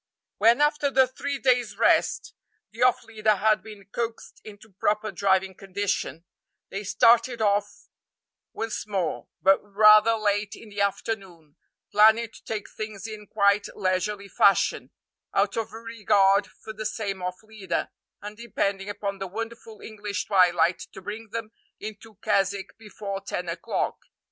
When, after the three days' rest, the off leader had been coaxed into proper driving condition, they started off once more, but rather late in the afternoon, planning to take things in quite leisurely fashion, out of regard for the same off leader, and depending upon the wonderful English twilight to bring them into Keswick before ten o'clock.